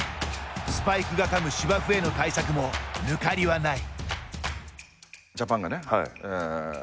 スパイクがかむ芝生への対策もぬかりはない。